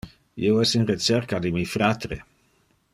Io es in recerca de mi fratre.